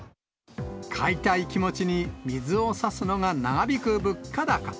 買いたい気持ちに水をさすのが長引く物価高。